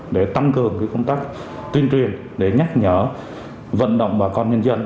để tăng cường công tác tuyên truyền để nhắc nhở vận động bà con nhân dân